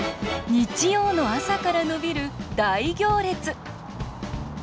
日曜の朝から伸びる大行列。